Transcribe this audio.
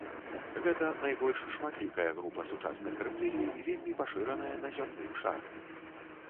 Гэта найбольш шматлікая група сучасных рэптылій, вельмі пашыраная на зямным шары.